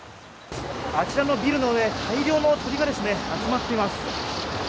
あちらのビルの上大量の鳥が集まっています。